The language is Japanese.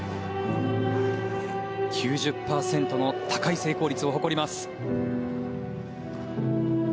９０％の高い成功率を誇ります。